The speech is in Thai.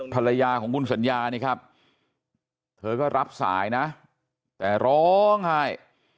ภรรยาของคุณสัญญานี่ครับเธอก็รับสายนะแต่ร้องไห้